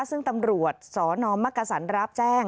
ซึ่งตำรวจสนมักกษันรับแจ้ง